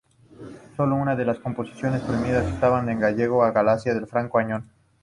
Sólo una de las composiciones premiadas estaba en gallego, "A Galicia" de Francisco Añón.